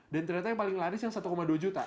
dan ternyata yang paling laris yang rp satu dua ratus